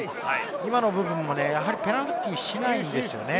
今の部分もペナルティーをしないんですよね。